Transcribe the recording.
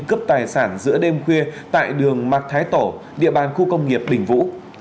cướp tài sản giữa đêm khuya tại đường mạc thái tổ địa bàn khu công nghiệp đình vũ